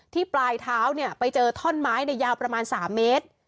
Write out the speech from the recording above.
ปลายเท้าไปเจอท่อนไม้ยาวประมาณ๓เมตร